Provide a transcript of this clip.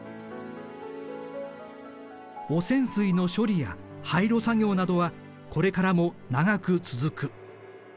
汚染水の処理や廃炉作業などはこれからも長く続く。